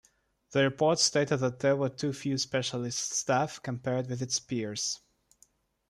The report stated that there were too few specialist staff, compared with its peers.